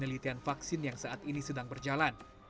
dan juga untuk penelitian vaksin yang saat ini sedang berjalan